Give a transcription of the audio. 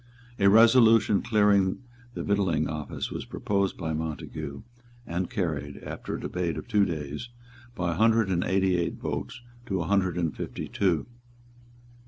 A resolution clearing the Victualling Office was proposed by Montague, and carried, after a debate of two days, by a hundred and eighty eight votes to a hundred and fifty two.